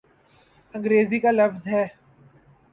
انگریزی کا لفظ ہے۔